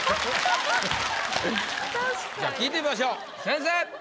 じゃあ聞いてみましょう先生！